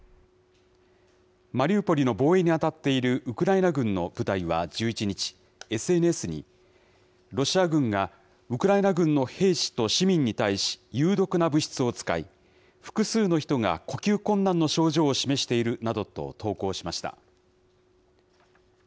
マリウポリの防衛に当たっているウクライナ軍の部隊は１１日、ＳＮＳに、ロシア軍がウクライナ軍の兵士と市民に対し、有毒な物質を使い、複数の人が呼吸困難の症状を示しているなどと投稿しました。